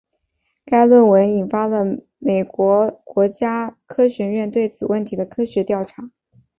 该论文引发了美国国家科学院对此问题的科学调查。